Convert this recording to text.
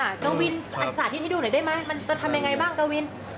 กะวินสาธิตให้ดูหน่อยได้ไหมมันจะทำยังไงบ้างกวิน